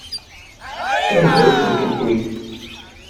Sanda ay tent-wwin?